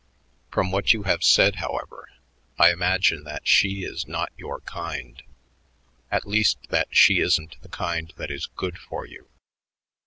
From what you have said, however, I imagine that she is not your kind; at least, that she isn't the kind that is good for you.